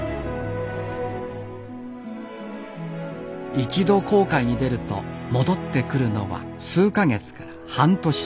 一度航海に出ると戻ってくるのは数か月から半年先。